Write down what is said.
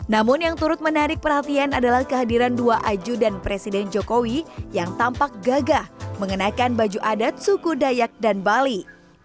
namun yang turut menarik perhatian adalah kehadiran dua aju dan presiden jokowi yang tampak gagah mengenakan baju adat suku dayak dan bali